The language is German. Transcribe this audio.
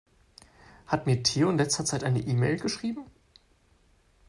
Hat mir Theo in letzter Zeit eine E-Mail geschrieben?